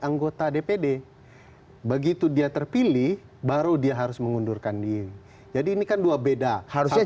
anggota dpd begitu dia terpilih baru dia harus mengundurkan diri jadi ini kan dua beda harusnya